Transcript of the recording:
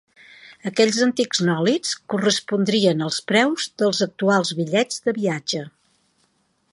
Aquells antics nòlits correspondrien als preus dels actuals bitllets de viatge.